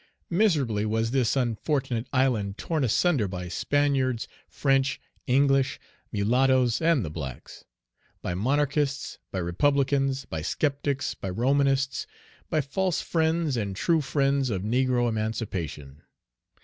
Miserably was this unfortunate island torn asunder by Spaniards, French, English, mulattoes, and the blacks; by monarchists, by republicans, by sceptics, by Romanists, by false friends and true friends of negro emancipation.